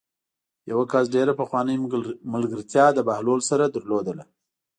یوه کس ډېره پخوانۍ ملګرتیا د بهلول سره لرله.